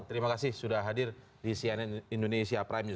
terima kasih sudah hadir di cnn indonesia prime news